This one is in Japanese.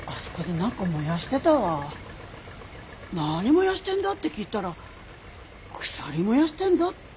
何燃やしてんだ？って聞いたら鎖燃やしてんだって。